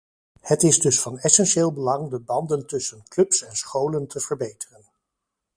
Het is dus van essentieel belang de banden tussen clubs en scholen te verbeteren.